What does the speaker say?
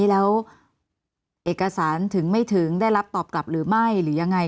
แล้วเอกสารถึงไม่ถึงได้รับตอบกลับหรือไม่หรือยังไง